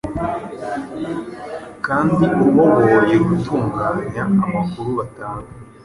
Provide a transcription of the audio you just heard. kandi uhoboye gutunganya amakuru batanga